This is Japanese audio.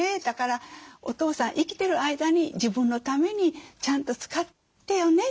だからお父さん生きてる間に自分のためにちゃんと使ってよね」と。